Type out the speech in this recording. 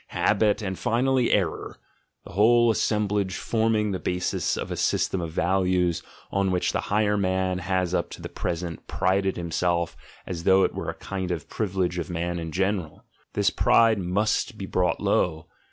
"habit." and finally "error," the whole assemblage forming the basis of a sys tem of values, on which the higher man has up to the present prided himself as though it were a kind of privi lege of man in general. This pride must be brought low.